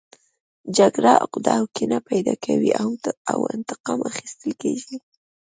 جګړه عقده او کینه پیدا کوي او انتقام اخیستل کیږي